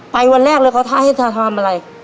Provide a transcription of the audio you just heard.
วันแรกเลยเขาท้าให้ทาทำอะไร